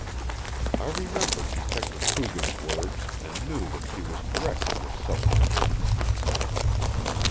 I remembered Detective Coogan's words, and knew that she was correct in this supposition.